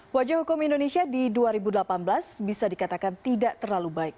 wajah hukum indonesia di dua ribu delapan belas bisa dikatakan tidak terlalu baik